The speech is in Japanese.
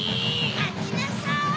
まちなさい！